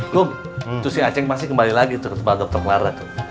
kom itu si aceh pasti kembali lagi terus balap ke lara tuh